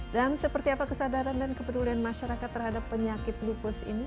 dan seperti apa kesadaran dan kepedulian masyarakat terhadap penyakit lupus ini